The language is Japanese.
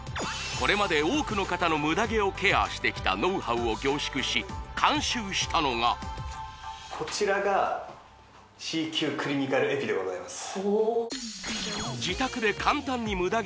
これまで多くの方のムダ毛をケアしてきたノウハウを凝縮し監修したのがこちらがでございます